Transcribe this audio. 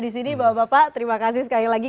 di sini bapak bapak terima kasih sekali lagi